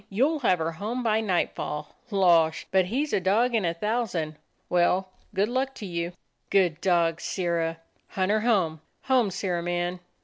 "You'll have her home by nightfall. Losh! but he 's a dog in a thousand. Well, good luck to you." "Good dog, Sirrah! Hunt her home; home, Sirrah man!"